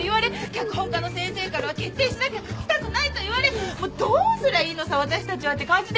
脚本家の先生からは決定しなきゃ書きたくないと言われ「もうどうすりゃいいのさ私たちは」って感じですもんね。